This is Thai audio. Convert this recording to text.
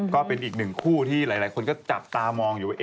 ก็เป็นอีกหนึ่งคู่ที่หลายคนก็จับตามองอยู่ว่า